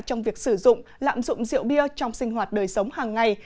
trong việc sử dụng lạm dụng rượu bia trong sinh hoạt đời sống hàng ngày